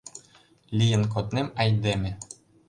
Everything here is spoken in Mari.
Лийын коднем айдеме